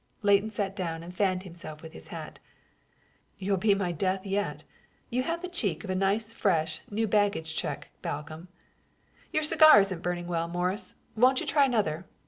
Leighton sat down and fanned himself with his hat. "You'll be my death yet. You have the cheek of a nice, fresh, new baggage check, Balcomb." "Your cigar isn't burning well, Morris. Won't you try another?